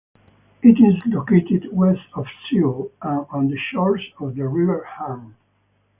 It is located west of Seoul and on the shores of the River Han.